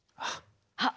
あっ。